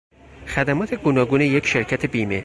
خدمات گوناگون یک شرکت بیمه